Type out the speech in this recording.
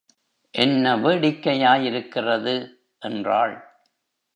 என்ன வேடிக்கையாய் யிருக்கிறது! என்றாள்.